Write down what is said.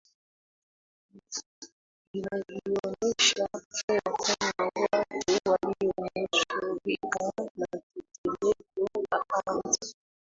vinavyoonesha kuwa kuna watu walionusurika na tetemeko la ardhi